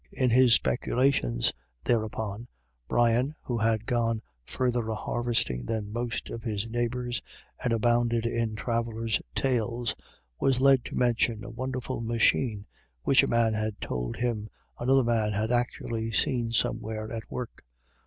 In his speculations thereupon, Brian, who had gone further a harvesting than most of his neigh bours, and abounded in travellers' tales, was led to mention a wonderful machine, which a man had told him another man had actually seen some where at work.